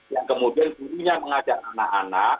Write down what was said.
yang kemudian gurunya mengajak anak anak